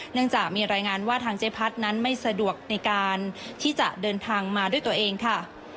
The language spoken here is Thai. เนื่องจากมีรายงานว่าทางเจ๊พัดนั้นไม่สะดวกในการที่จะเดินทางมาด้วยตัวเองค่ะ